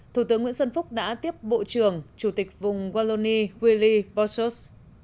thủ tướng nguyễn xuân phúc đã tiếp bộ trưởng chủ tịch vùng wallonie willie boschus